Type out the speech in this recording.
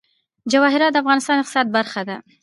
جواهرات د افغانستان د اقتصاد برخه ده.